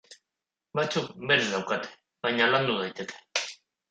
Batzuk berez daukate, baina landu daiteke.